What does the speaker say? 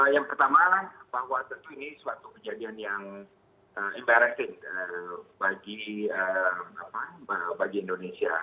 yang pertama bahwa tentu ini suatu kejadian yang imperating bagi indonesia